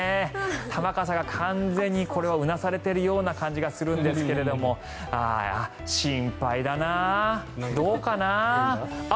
玉川さんが完全にこれはうなされているような感じがするんですが心配だなあ、どうかなあ。